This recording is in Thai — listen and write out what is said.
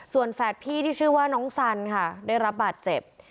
ส่วนแฝดพี่ที่ชื่อว่าน้องสันค่ะได้รับบาดเจ็บ